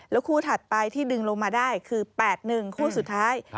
คู่ถัดไปที่ดึงลงมาได้คือ๘๑คู่สุดท้าย